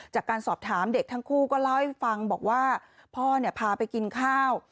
จากการสอบถามเด็กทั้งคู่ก็เล่าให้ฟังบอกว่าพ่อพาไปกินข้าว